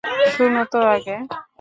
শোন তো আগে!